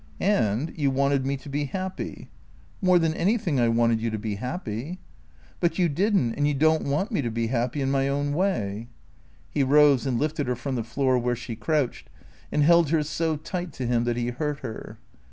" And you wanted me to be happy ?"" More than anything I wanted you to be happy." " But you did n't, and you don't want me to be happy — in my own way ?" He rose and lifted her from the floor where she crouched, and held her so tight to him that he hurt her.